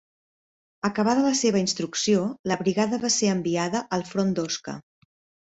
Acabada la seva instrucció, la brigada va ser enviada al front d'Osca.